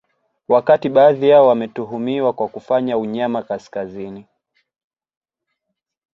Wakati baadhi yao wametuhumiwa kwa kufanya unyama kaskazini